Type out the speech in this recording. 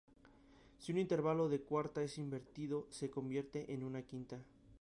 Si un intervalo de cuarta es invertido se convierte en una quinta.